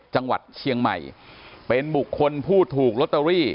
จังหวัดเชียงใหม่เป็นบุคคลผู้ถูกลอตเตอรี่